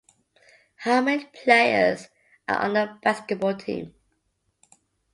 How many players are on the basketball team?